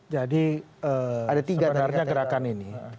jadi sebenarnya gerakan ini